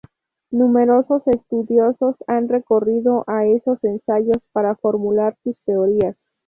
Numerosos estudiosos han recurrido a esos ensayos para formular sus teorías.